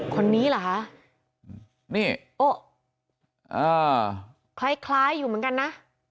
คนนี้เหรอคะนี่โอ๊ะคล้ายคล้ายอยู่เหมือนกันนะ